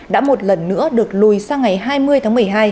đã một lần nữa được lùi sang ngày hai mươi tháng một mươi hai